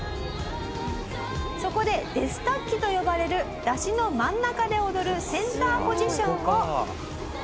そこでデスタッキと呼ばれる山車の真ん中で踊るセンターポジションを。